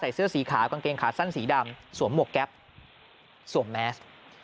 เสื้อสีขาวกางเกงขาสั้นสีดำสวมหมวกแก๊ปสวมแมส